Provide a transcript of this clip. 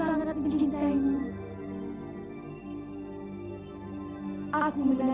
sampai ketemu di tempat we ton